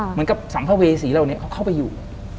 เหมือนกับสัมภเวษีเหล่านี้เขาเข้าไปอยู่